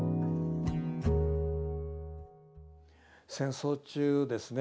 戦争中ですね